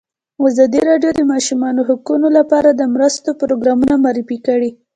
ازادي راډیو د د ماشومانو حقونه لپاره د مرستو پروګرامونه معرفي کړي.